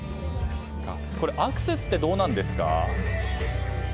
アクセスってどうなんですか？